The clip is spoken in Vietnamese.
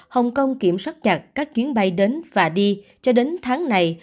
hồng kông kiểm soát chặt các chuyến bay đến và đi cho đến tháng này